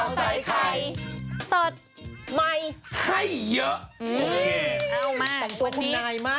สวัสดีค่ะ